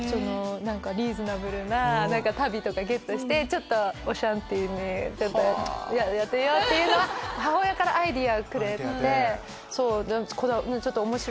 リーズナブルな足袋とかゲットしてちょっとオシャンティーにやってみよう！っていうのは母親からアイデアくれて。